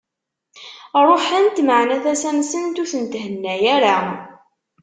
Ruḥent, meɛna, tasa-nsent ur tent-henna ara.